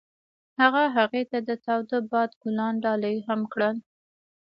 هغه هغې ته د تاوده باد ګلان ډالۍ هم کړل.